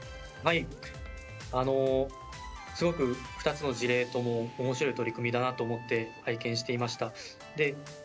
すごく２つの事例ともおもしろい取り組みだなと思って拝見していました。